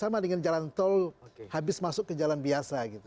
tinggal jalan tol habis masuk ke jalan biasa gitu